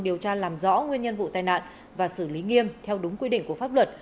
điều tra làm rõ nguyên nhân vụ tai nạn và xử lý nghiêm theo đúng quy định của pháp luật